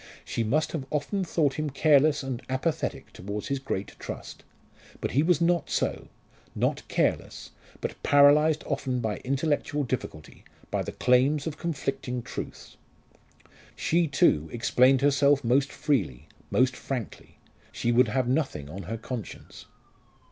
She must have often thought him careless and apathetic towards his great trust. But he was not so not careless but paralysed often by intellectual difficulty, by the claims of conflicting truths. She, too, explained herself most freely, most frankly. She would have nothing on her conscience.